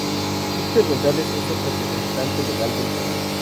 Víctor González es el representante legal del canal.